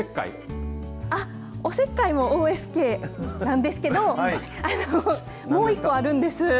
おせっかいもＯＳＫなんですけどもう一個、あるんです。